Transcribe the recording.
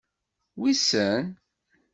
Wissen.